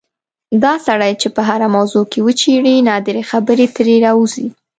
دا سړی چې په هره موضوع کې وچېړې نادرې خبرې ترې راوځي.